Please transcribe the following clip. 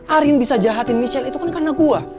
arin bisa jahatin michelle itu kan karena gue